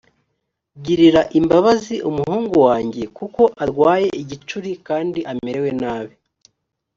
girira imbabazi umuhungu wanjye kuko arwaye igicuri kandi amerewe nabi